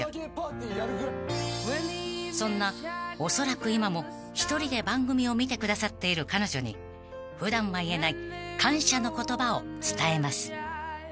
［そんなおそらく今も１人で番組を見てくださっている彼女に普段は言えない感謝の言葉を伝えます］